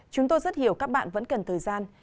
chúng tôi rất hiểu các bạn vẫn cần thời gian